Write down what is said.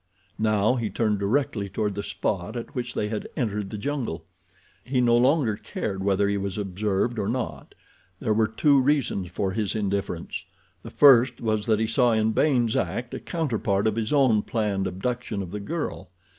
Now he turned directly toward the spot at which they had entered the jungle. He no longer cared whether he was observed or not. There were two reasons for his indifference. The first was that he saw in Baynes' act a counterpart of his own planned abduction of the girl.